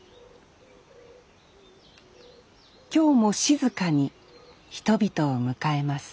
今日も静かに人々を迎えます